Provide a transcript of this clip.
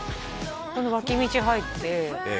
この脇道入ってええ